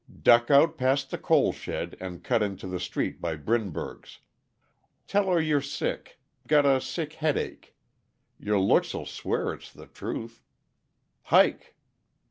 Duck out past the coal shed and cut into the street by Brinberg's. Tell her you're sick got a sick headache. Your looks'll swear it's the truth. Hike!"